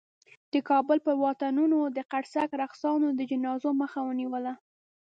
د کابل پر واټونو د قرصک رقاصانو د جنازو مخه ونیوله.